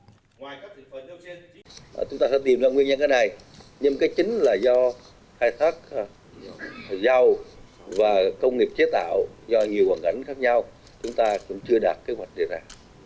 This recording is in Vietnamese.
chúng ta sẽ tìm ra nguyên nhân cái này nhưng cái chính là do khai thác dầu và công nghiệp chế tạo do nhiều hoàn cảnh khác nhau chúng ta cũng chưa đạt kế hoạch đề ra